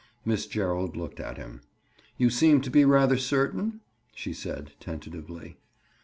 Miss Gerald looked at him. "You seem to be rather certain?" she said tentatively.